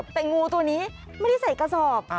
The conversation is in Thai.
แต่งูตัวนี้ไม่ได้ใส่กระสอบ